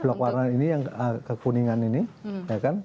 blok warna ini yang kekuningan ini ya kan